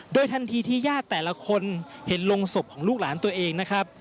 โดยทันทีที่ญาติแต่ละคนเห็นลงศพของลูกหลานตัวเองนะครับ